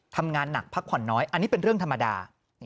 ทำงานหนักพักผ่อนน้อยอันนี้เป็นเรื่องธรรมดา